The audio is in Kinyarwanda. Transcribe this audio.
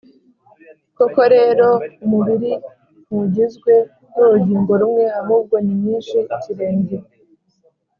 Koko rero umubiri ntugizwe n urugingo rumwe ahubwo ni nyinshi ikirenge